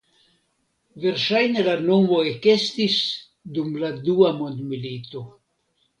Verŝajne la nomo ekestis dum la Dua Mondmilito.